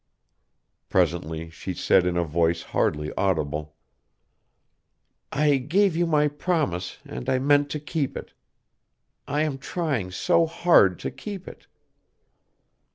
Presently she said in a voice hardly audible: "I gave you my promise and I meant to keep it. I am trying so hard to keep it."